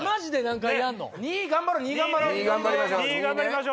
２頑張りましょ